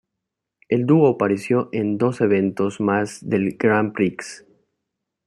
El dúo apareció en dos eventos más del Grand Prix.